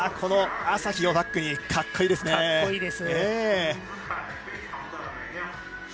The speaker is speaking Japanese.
朝日をバックに格好いいですね。